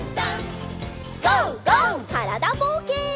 からだぼうけん。